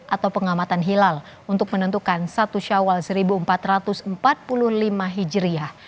atau pengamatan hilal untuk menentukan satu syawal seribu empat ratus empat puluh lima hijriah